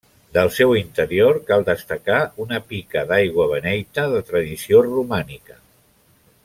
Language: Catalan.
Del seu interior cal destacar una pica d'aigua beneita de tradició romànica.